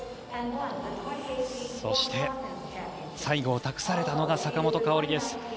そして、最後を託されたのが坂本花織です。